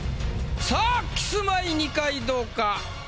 さあキスマイ二階堂か？